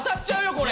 これ。